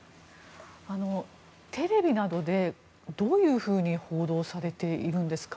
テレビなどでどういうふうに報道されてるんですか？